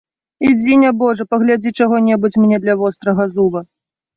Ідзі, нябожа, паглядзі чаго-небудзь мне для вострага зуба.